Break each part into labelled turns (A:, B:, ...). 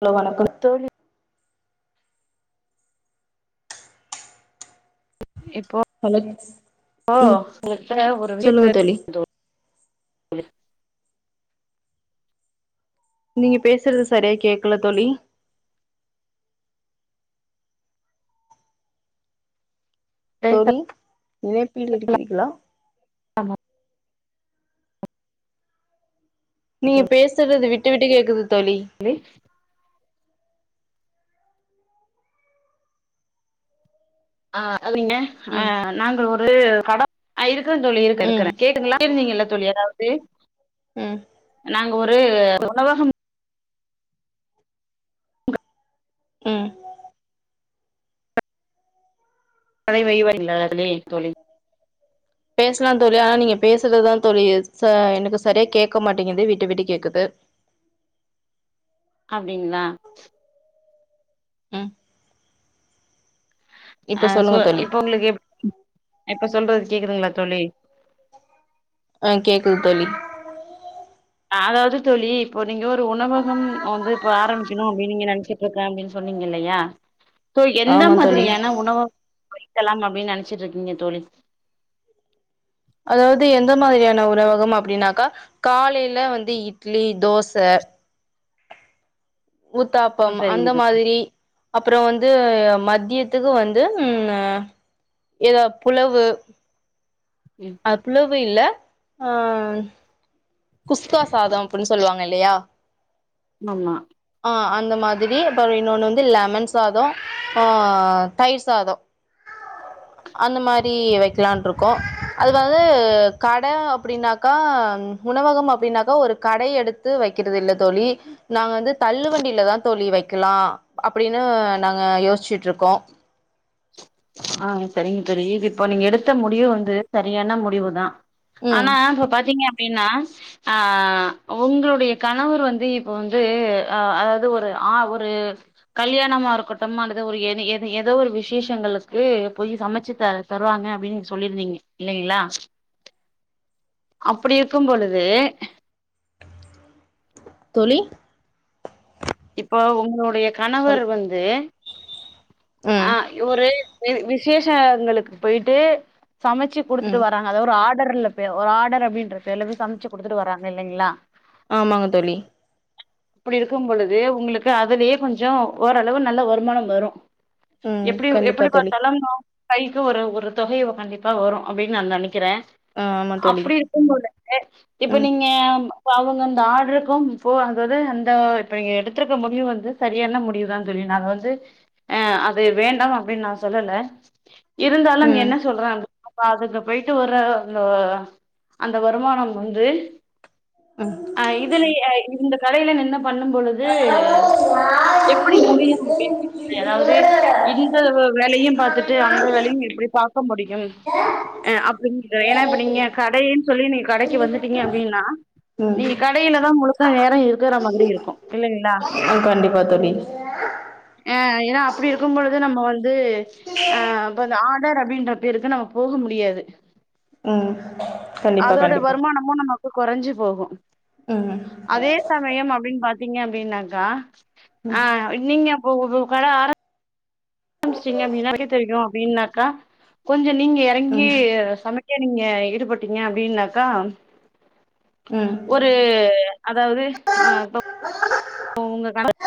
A: Hello வணக்கம்
B: தோழி இப்போ
A: ஹலோ
B: போ
A: ம்
B: உங்ட்ட ஒரு [inaudible]
A: சொல்லுங்க தோழி
B: [unintelligible]
A: நீங்க பேசுறது சரியா கேக்ல தோழி தோழி இணைப்பில் இருக்றிர்களா
B: ஆமாம்
A: நீ பேசறது விட் டு விட்டு கேக்குது தோழி
B: ழி ஆ அதிங்க ஆ
A: ம்
B: நாங்க ஒரு கடை ஆ இருக் கற தோழி இருக் இருக்கற
A: ம்
B: கேக்குங்ளா [unintelligible] தோழி அதா ஏ
A: ம்
B: நாங்க ஒரு உணவகம்
A: ம்
B: பழைய [unintelligible] தோழி தோழி
A: பேசலாந் தோழி ஆனா நீங்க பேசுறதுதா தோழி ச எனக்கு சரியா கேக்க மாட்டேங்குது விட்டு விட்டு கேக்குது
B: அப்டிங்ளா
A: ம் இப்ப
B: ஆ சோ
A: சொல்லுங்க தோழி
B: இப்ப உங்ளுக்கு எ இப்ப சொல்றது கேக்குதுங்ளா தோழி
A: ஆ கேக்குது தோழி
B: ஆதாது தோழி இப்போ நீங்க ஒரு உணவகம் வந்து இப்ப ஆரம்பிக்கணு அப்டின் நீங்க நெனைச்சிட்ருக்க அப்டினு சொன்னிங்க இல்லையா இப்போ எந்த
A: ஆமா தோழி
B: மாதிரியான உணவ கலாம் அப்டின் நெனச்சிட்ருக்கிங்க தோழி
A: அதாவுது எந்த மாதிரியான உணவகம் அப்டினாக்கா காலைல வந்து இட்லி தோச
B: ஆ
A: ஊத்தாப்பம்
B: சரிங்க
A: அந்த மாதிரி அப்ற வந்து மதியத்துக்கு வந்து ம் இத புலவு
B: தோழி
A: அது புலவ் வு இல்ல ஆ குஸ்கா சாதம் அப்னு சொல்லுவாங்க இல்லையா
B: னம்மா
A: ஆ அந்த மாதிரி அப்புற இன்னோனு வந்து லெமன் சாத தயிர் சாத அந்த மாரி வெக்கலான்ட்ருக்கோ அதுக் வந்து கடை அப்டினாக்கா உணவகம் அப்டினாக்கா ஒரு கடை எடுத்து வெக்கறது இல்ல தோழி நாங்க வந்து தள்ளு வண்டிலதா தோழி வெக்கலா அப்டின்னு நாங்க யோசிச்சுட்ருக்கோ
B: ஆ சரிங்க தொழி இது இப்போ நீங்க எடுத்த முடிவு வந்து சரியான முடிவு தா
A: ம்
B: ஆனா இப்ப பாத்திங்க அப்டினா ஆ உங்களுடைய கணவர் வந்து இப்போ வந்து அ அதாவ்து ஒரு ஆ ஒரு கல்யாணமா இருக்கட்டும் அல்லது ஒரு ஏ ஏ ஏதோ ஒரு விசேஷங்களு க்கு போயி சமைச்சு த தருவாங்க அப்டினு நீங்க சொல்லிருந்திங்க இல்லைங்ளா அப்புடி இருக்கும் பொழுது
A: தோழி
B: இப்போ உங்களுடைய
A: ஹல்
B: கணவர் வந்து ஆ
A: ம்
B: இவுரு வி விசேஷங்களுக்கு போயிட்டு சமைச்சு
A: ம்
B: குடுத்துட்டு வராங்க அத ஒரு ஆ டர்ல போ ஒரு ஆர்டர் அப்டின்ற பேர்ல போய் சமைச்சு குடுத்துட்டு வராங்க இல்லைளா
A: ஆமாங்க தோழி
B: அப்பிடி இருக்கும் பொழுது உங்களுக்கு அதுலயே கொஞ்ச ஓரளவு நல்ல வருமானம் வரு
A: ம்
B: எப்டி
A: கண்டிப்பா
B: எப்பிடி
A: தோழி
B: பாத்தாலு கைக்கு ஒரு ஒரு தொகைய கண்டிப்பா வரு அப்படின் நா நெனக்கிறே
A: ஆ ஆமா தோழி
B: அப்டி இருக்கும் பொழுது இப்ப
A: ம்
B: நீங்க இப்ப அவுங்க அந்த ஆர்டருக்கு இப்போ அதாது அந்த இப்ப நீங்க எடுத்திருக்க முடிவு வந்து சரியான முடிவுதா தோழி நா அத வந்து அ அது வேண்டாம் அப்டின் நா சொல்லல இருந்தாலும் நீ
A: ம்
B: என்ன சொல்றாங்க ப்பா அதுக்கு போயிட்டு வர அந்த வருமானம் வந்து அ இதுலபே அ இந்த கலையில நின்னு பண்ணும் பொழுது எப்பிடி முடியு முடியு அதாவது [unintelligible] வேலயும் பாத்துட்டு அந்த வேலயும் எப்பிடி பாக்க முடியும் அ அப்டிங்கிற ஏன்னா இப்ப நீங்க கடயினு சொல்லி நீ கடைக்கு வந்துட்டீங்க அப்டின்னா
A: ம்
B: நீங்க கடையில தா முழுக்க நேரம் இருக்கற மாதிரி இருக்கும் இல்லலைங்களா
A: ஆ கண்டிப்பா தோழி
B: ஹேன் ஏனா அப்பிடி இருக் க்கும் பொழுது நம்ம வந்து அ அப்ப அந்த ஆடர் அப்பிடின்ற பேருக்கு நம்ம போக முடியாது
A: ம் கண்டிப்பா கண்டிப்பா
B: ப்ப கொறஞ்சு போகும்
A: ம்
B: அதே சமயம் அப்பிடின்னு பாத் பிங்க அப்டின்னாக்கா ஆ நீங்க போக போக கட ஆரம் ஆரம்பிச்சிட்டிங்க அப்பிடின்னா வெளிய தெரியும் அப்பிடின்னாக்கா கொஞ்சம் நீ நீங்க எறங்கி
A: ம்
B: சமைக் ங்கயை நீங்க ஈடுபட்டீங்க அப்பிடின்னாக்கா
A: ம்
B: ஒரு அதாவுது அ ப உங்க கணக்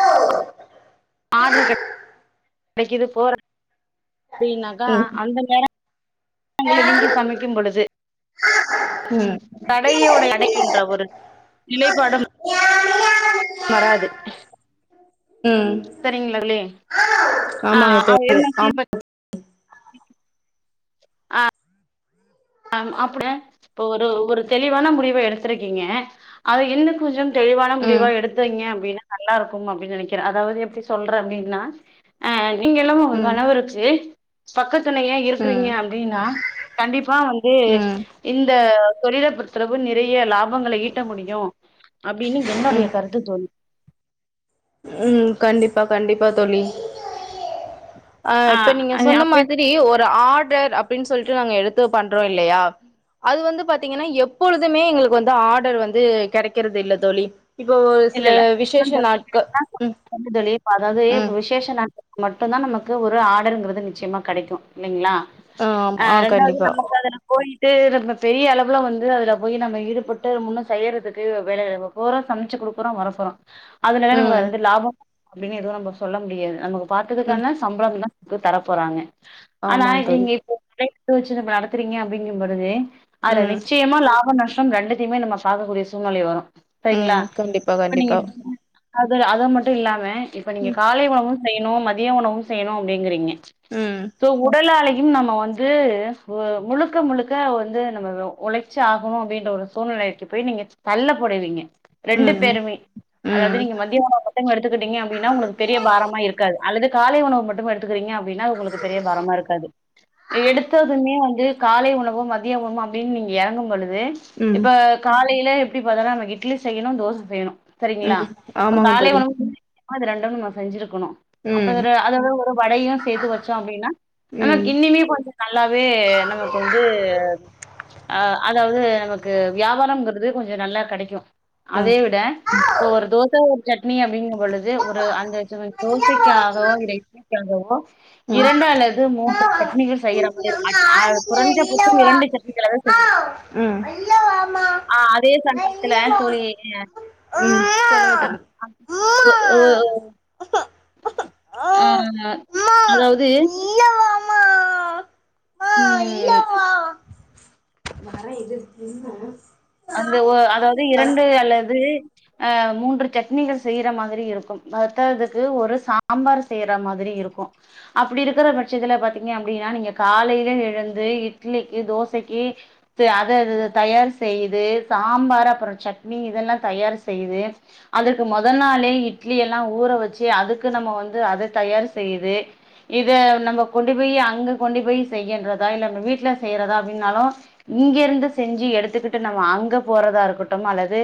B: ஆடரு கெ டைக்குது போற அப்டினாக்கா
A: ம்
B: அந்த நேரம் [unintelligible] நீங்க சமைக்கும் பொழுது
A: ம்
B: தடையோடை அடைகின்ற ஒரு நிலைப்பாடும் வராது.
A: ம்
B: சரிங்களா ஆ
A: ஆமாங்க
B: அவ
A: தோழி
B: என்ன
A: ஆம்
B: தீப ஆ ஆ அப்ட இப்ப ஒரு ஒரு தெளிவான முடிவ எடுத்திருக்கீங்க அது இன்னு கொஞ்சம் தெளிவான
A: ம்
B: முடிவா எடுத்தீங்க அப்டின்னா நல்லா இருக்கும் அப்டின்னு நெனக்கிறே அதாவது எப்டி சொல்ற அப்டின்னா அ நீங்க இல்லாம உங்க
A: ம்
B: கணவுருச்சு பக்கத் த்தனைய இருக்குறீங்க
A: ம்
B: அப்டின்னா கண்டிப்பா வந் ஏ
A: ம்
B: இந்த அ தொழில பொருத்தளவு நிர் றைய லாபங்கள ஈட்ட முடியு அப்டின்னு என்னோடைய கருத்து தோழி.
A: ம் கண்டிப்பா கண்டிப் பா தோழி. ஆ இப்ப நீங்க சொன்ன
B: அப்ப
A: மாதிரி ஒ ஆர்டர் அப்டின்னு சொல்ட்டு நாங்க எடுத்து பண்றோ இல்லையா அது வந்து பாத்தீங்கன்னா எப்பொழுதுமே எங்களுக்கு வந்து ஆர்டர் வந்து கெடைக்கறது இல்ல தோழி. இப்போ ஒரு சில விசேஷ நாள்
B: ஆ தோழி இப்ப அதாவது இப்ப விசேஷன் தன் மட்டுந்தா நமக்கு ஒரு ஆர்டருங்கறது நிச்சியமா கெடைக்கு இல்லைங்களா
A: ஆமா
B: ஆ ரெண்டாவது
A: கண்டிப்பா
B: நமக்கு அதுல போயி தேரன்ன பெரிய அளவுல வந்து அதுல போயி நம்ம ஈடுபட்டு முன்னு செய்யறதுக்கு வேல போற சமைச்சு குடுப் அப்றோ வரப்பொரோ அதுல வேற நம்ப
A: ம்
B: இது லாபம் அப்டின்னு எதுவும் நம்ம சொல்ல முடியாது நமக்கு
A: ம்
B: பாத்துகிறதுக்கான சம்பளோ அதுதா தர போறாங்க. ஆனா
A: ஆமா தோழி
B: நீங்க இப்போ பே டியூஷன் இப்ப நடத்துறீங்க அப்புடிங்கும் பொழுது அதுல
A: ம்
B: நிச்சயமா லாபம் நஷ் [unintelligible] ரெண்டுத்தையுமே நம்ம பாக்கக்கூடிய சூழ்நலை வரு சரிங்களா
A: உம் கண்டிப்பா
B: இப்ப நீங்க
A: கண்டிப்பா
B: அது அது மட்டும் இல்லாமே இப்ப நீங்க
A: ம்
B: காலை உணவு செய்யணு மதிய உணவும் செய்யணு அப்டிங்கறீங்க
A: ம்
B: சோ உடல் அலை இன்னு நம்ம வந்து போ முழுக்க முழுக்க வந்து நம்ம ஒழைச்சி ஆகணு அப்டின்ற ஒரு சூழ்நிலைக்கு போய் நீங்க தள்ளப்படுவீங்க ரெண்டுக்
A: ம்
B: பெருமை அதாவது
A: ம்
B: நீங்க மதிய உணவு மட்டு எடுத்துக்கிட்டீங்க அப்டின்னா உங்களுக்கு பெரிய பாரமா இருக்காது அல்லது காலை உணவு மட்டு எடுத்துக்கிறீங்க அப்டின்னா உங்களுக்கு பெரிய பரமா இருக்காது எடுத்ததுமே வந்து காலை உணவு மதிய உணவு அப்டின்னு நீங்க எறங்கு பொழுது வந்து
A: ம்
B: இப்ப காலையில் இல்ல எப்டி பாத்தாலு நமக் இட்லி செய்யணு தோசை செய்யணு சரிங்களா
A: ம்
B: இப்ப
A: ஆமாங்க
B: காலை
A: தோழி
B: உணவு [inaudible] அப்போ அது ரெண்டும் நா செஞ்சிருக்கணு அப்ப
A: ம்
B: அதோட அதோட ஒரு வடையு சேர்த்து வச்சோ அப்டின்னா நமக்கு
A: ம்
B: இன்னிமே கொஞ்ச நல்லாவே நமக்கு வந்து ஆஹ் அதாவது நமக்கு வியாபாரங்கிறது கொஞ்சோ நல்லா கெடைக்கு அதே [unintelligible] இப்ப ஒரு தோசை ஒரு சட்னி அப்டிங்க பொழுது ஒரு அந்த [unintelligible] தோசைக்காகவோ
A: ம்
B: இல்ல இட்லிக்காகவோ
A: ம்
B: இரண்டு அல்லது மூன்று சட்னிகள் செய்யற
A: ம்
B: மாரி
A: சொல்லுங்க
B: இருக்கு அத் குறைஞ்ச பட்சம் இரண்டு சட்னிகள் [unintelligible] சரி ஆஹ் அதே சமயத்துல தோழி ஹ
A: தோழி
B: அஹ் ஒ ஒ ஆஹ் அதாவது [unintelligible] அந்த ஒ அதாவது இரண்டு அல்லது அஹ் மூன்று சட்னிகள் செய்யற மாதிரி இருக்கும் பத்ததுக்கு ஒரு சாம்பார் செய்யற மாதிரி இருக்கு அப்டி இருக்கிற பட்சத்துல பாத்தீங்க அப்டின்னா நீங்க காலையில எழுந்து இட்லிக்கு தோசைக்கி அதது தயார் செய் தே சாம்பார் அப்றோ சட்னி இதெல்லா தயார் செய்யுது அதுக்கு முதல் நாளே இட்லி எல்லா ஊற வச்சு அதுக்கு நம்ம வந்து அத தயார் செய்யுது இத நம்ம கொண்டு போய் அங்க கொண்டு போய் செய்கின்றதா இல்ல வீட்டுல செய்யறதா அப்படனாலும் இங்க இருந்து செஞ்சு எடுத்துகி நம அங்க போறதா இருக்கட்டும் அல்லது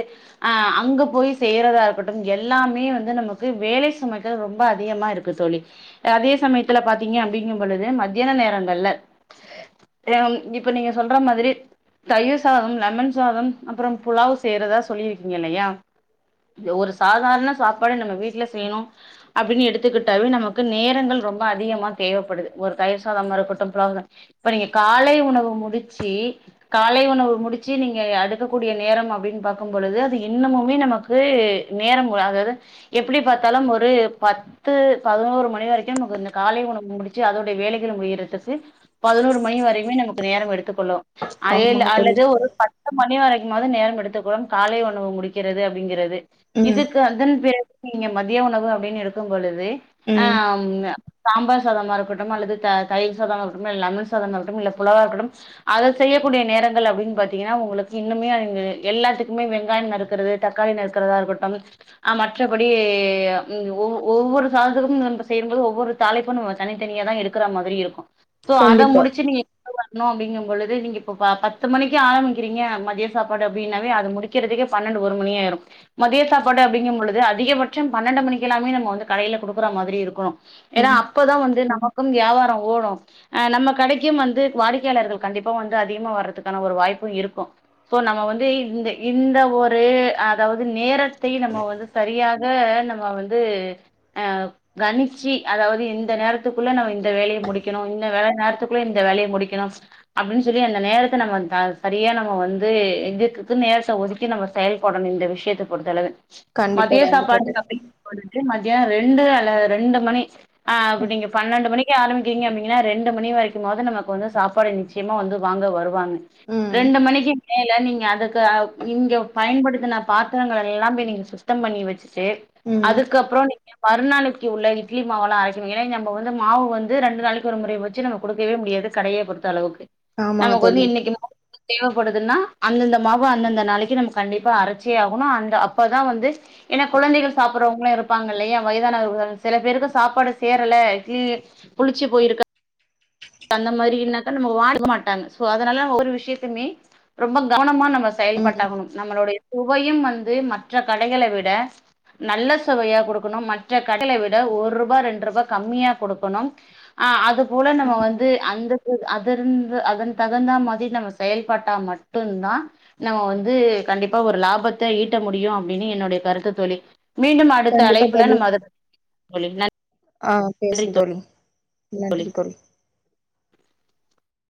B: அஹ் அங்க போய் செய்யறதா இருக்கட்டும் எல்லாமே வந்து நமக்கு வேலை சுமைகள் ரொம்ப அதிகமா இருக்கு தோழி அதே சமயத்துல பாத்தீங்க அப்டிங்கும் பொழுது மத்தியான நேரங்கள்ல அ இப்ப நீங்க சொல்ற மாதிரி தயிர் சாதோ லெமன் சாதம் அப்புறம் புலாவ் சேறதா சொல்லியிருக்கீங்க இல்லையா ஒரு சாதாரண சாப்பாடு நம்ம வீட் இல்ல செய்யணு அப்டின்னு எடுத்துக்கிட்டாவே நமக்கு நேரங்கள் ரொம்ப அதிகமா தேவைப்படுது ஒரு தயிர் சாதமா இருக்கட்டு [unintelligible] நீங்க காலை உணவு முடிச்சு காலை உணவு முடிச் நீங்க எடுக்கக்கூடிய நேரம் அப்டின்னு பாக்கும் பொழுது அது இன்னமுமே நமக்கு நேரம் அதாவது எப்டி பாத்தாலு ஒரு பத்து பதினோரு மணி வரைக்கு நமக்கு இந்த காலை உணவு முடிச்சு அதோடைய வேலைகள் முடியறதுக்கு பதினோரு மணி வரைையுமே நமக்கு நேரம் எடுத்துக்கொள்ளு அதே இல்ல
A: ஆமாங்க தோழி
B: அல்லது ஒரு பணி வரைக்குமாது நேரம் எடுத்துகுவோம் கால உணவு முடிக்கிறது அப்டிங்கிறது
A: ம்
B: இதுக்கு [unintelligible] நீங்க மதிய உணவு அப்டின்னு இருக்கும் பொழுது
A: ம்
B: அஹ் சாம்பார் சாதமா இருக்கட்டு அல்லது த தயிர் சாதமா இருக்கட்டு லெமன் சாதமா இருக்கட்டு இல்ல புலாவா இருக்கட்டும் அதை செய்யக்கூடிய நேரங்கள் அப்டின்னு பாத் பாத்தீங்கன்னா உங்களுக்கு இன்னுமே அங்க எல்லாத்துக்குமே வெங்காயம் நறுக்கிறது தக்காளி நறுக்கிறதா இருக்கட்டும் ஆஹ் மற்றபடி ஒவ் ஒவ்வொரு சாதத்துக்கும் நம்ம செய்யும்போது ஒவ்வொரு தலைிப்பும் நம்ம தனித்தனியா தான் எடுக்கிற மாதிரி இருக்கு சோ அதா
A: கண்டிப்பா
B: முடிச்சு நீங் [unintelligible] அப்படிங்கும் பொழுது நீங்க இப்ப பத்து மணிக்கு ஆரம்பிக்கிறீங்க மதிய சாப்பாடு அப்படன அத முடிிகிக்றதுகே பண்னடு ஒரு மணிி ஆயிரும் மதிய சாப்பாடு அ பொது அதிகபட்சம் பன்னெண்டு மணிக்க நம வந்து கடையில் குடுக்கற மாதிரி இருக்கணும் ஏன்னா
A: ம்
B: அப்பதான் வந்து ந மக்கும் வியாபாரம் ஓடும் நம்ம கிடைக்கும் வந்து வாடிக்கையாளர்கள் கண்டிப்பா வந்து அதிகமா வர்றதுக்கு ஒரு வாய்ப்பும் இருக்கும் நம வந்து ஒரு அதது நேரத்தை ந வ சரியாக ந வ கணிச்ச அதாவது இந்த நேரத்துக்குள்ள வேலையை முடிக்கணும் நேரத்துக்குள்ள வேலையை முடிக்கணும் அப்பட சொல்லி நேரத்தை நம்ம சரியா நம்ம வந்து இதுக்கு நேரத்தை ஒதுக்கி நம்ம செயல்படணும் இந்த விஷயத்தை பொறுத்தளவு
A: கண்டிப்பா
B: மதியம்
A: கண்டிப்பா
B: சாப்பாடு
A: தோழி
B: அப்படிய [unintelligible] மதியம் ரெ ரெண்டு அல்ல ரெண்டு மணி ஆ அப்படிங்க பன்னெண்டு மணிக்கு ஆரம்பிக்கீங்க அப்பீங்கன்னா ரெண்டு மணி வரைக்கும்மாவாது நமக்கு வந்து சாப்பாடு நிச்சயமா வந்து வாங்க வரும் வாாங்க
A: ம்
B: ரெண்டு மணிக்கு ஏ இல்ல நீங்க அதுக்கு இங்க பயன்படுத்தின பாத்திரங்கள் எல்லாமே நீங்க சுத்தம் பண்ணி வச்சு சரி
A: ம்
B: அதுக்கப்புறம் நீ மறுநாளைக்கு உள்ள இட்லி மாவெல்லாம் அரைக்கணும் ஏன்னா நம்ம வந்து மாவு வந்து ரெண்டு நாளைக்கு ஒரு முறை வச்சு நம்ம கொடுக்கவே முடியாது கடையை பொறுத்த அளவுக்கு
A: ஆமா
B: [unintelligible] இன்னைக்கு தேவைப்படுதுன்னா அந்தந்த மாவு அந்தந்த நாளைக்கு நம்ம கண்டிப்பா அரைச்சிய ஆகணும் அந்த அப்பதான் வந்து ஏன்னா குழந்தைகள் சாப்பிடுறவங்களும் இருப்பாங்க இல்லையா வயதானக சில பேருக்கு சாப்பாடு சேரல கீழ புளிச்சு போயிருக்க அந்த மாதிரி என்னாக்கா நம்ம வாங்க மாட்டாங்க சோ அதனால ஒரு விஷயத்தமே ரொம்ப கவனமா நம்ம
A: ம்
B: செயல்பட்டாகணும் நம்மளுடைய சுவையும் வந்து மற்ற கடைகளை விட நல்ல சுவையா கொடுக்கணும் மற்ற கடைகளை விட ஒரு ரூபாய் ரெண்டு ரூபாய் கம்மியா கொடுக்கணும் ஆஹ் அது உல நம்ம வந்து அந்த அத இருந்து அதன் தகுந்தா மாதிரி நம்ம செயல்பாட்டா மட்டும்தான் நம்ம வந்து கண்டிப்பா ஒரு லாபத்தை ஈட்ட முடியும் அப்படின்னு என்னுடைய கருத்து தோழி மீண்டும் அடுத்த
A: கண்டிப்பா
B: அழைப்புல
A: தோழி
B: நம்ம அத சொ நன்றி
A: ஆ பேசுும் தோழி நன்றி தோழி
B: [inaudible]